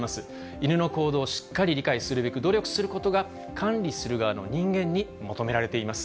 犬の行動をしっかり理解するべく努力することが管理する側の人間に求められています。